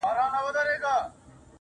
• د طبیعت په تقاضاوو کي یې دل و ول کړم.